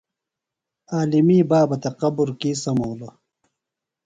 عالمی بابہ تھےۡ قبر کی سمولوۡ؟